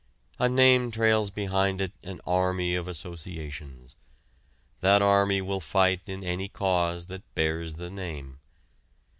A name trails behind it an army of associations. That army will fight in any cause that bears the name.